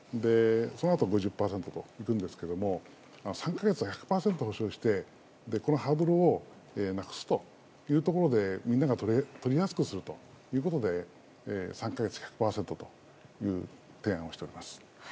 そのあと５０％といくんですけども３か月、１００％補償してこのハードルをなくすというところでみんなが取りやすくするということで３か月、１００％という提案をしております。